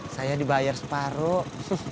saya dibayar separuh